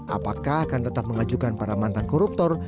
apakah akan tetap mengajukan para mantan koruptor